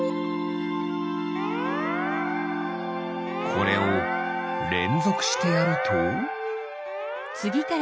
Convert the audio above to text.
これをれんぞくしてやると？